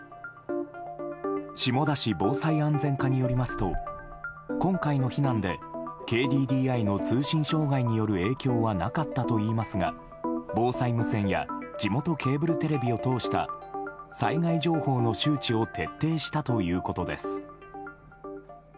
下田市防災安全課によりますと今回の避難でＫＤＤＩの通信障害による影響はなかったといいますが防災無線や地元ケーブルテレビを通した災害情報の周知を徹底したということです。